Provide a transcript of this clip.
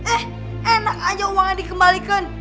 eh enak aja uangnya dikembalikan